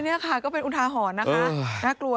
โอ้ยนี่ค่ะก็เป็นอุทาหอนนะคะ